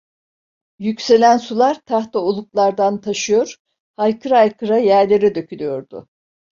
Yükselen sular tahta oluklardan taşıyor, haykıra haykıra yerlere dökülüyordu.